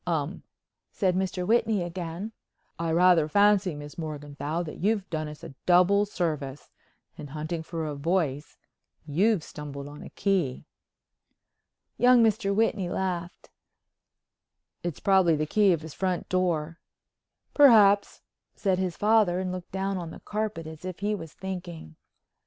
"Um," said Mr. Whitney again. "I rather fancy, Miss Morganthau, you've done us a double service; in hunting for a voice, you've stumbled on a key." Young Mr. Whitney laughed. "It's probably the key of his front door." "Perhaps," said his father, and looked down on the carpet as if he was thinking.